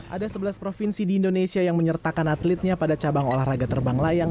ada sebelas provinsi di indonesia yang menyertakan atletnya pada cabang olahraga terbang layang